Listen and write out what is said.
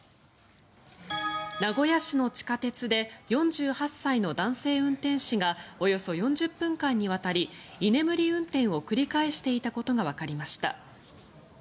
名古屋市の地下鉄で４８歳の男性運転士がおよそ４０分間にわたり居眠り運転を繰り返していたことがわかりました。